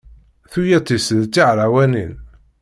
Tuyat-is d tihrawanin.